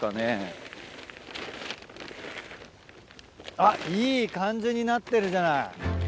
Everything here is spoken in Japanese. あっいい感じになってるじゃない！